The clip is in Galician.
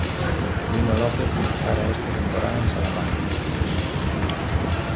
Lino López empezara esta temporada en Salamanca.